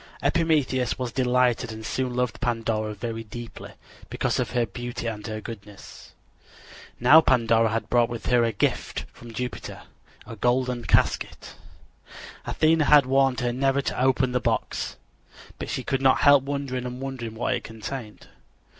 Epimetheus was delighted and soon loved Pandora very deeply, because of her beauty and her goodness. Now Pandora had brought with her as a gift from Jupiter a golden casket. Athena had warned her never to open the box, but she could not help wondering and wondering what it contained.